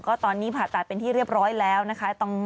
ก็ตอนนี้ผ่าตัดเป็นที่เรียบร้อยแล้วนะคะ